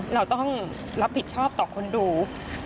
เราต้องรับผิดชอบต่อคนดู